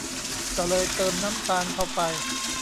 ก็เลยเติมน้ำตาลเข้าไป